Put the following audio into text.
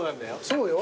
そうよ。